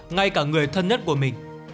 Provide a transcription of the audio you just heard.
ngay cả người thân nhất của mình